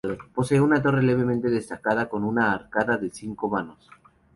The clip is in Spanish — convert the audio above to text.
Posee una torre levemente destacada y una arcada de cinco vanos.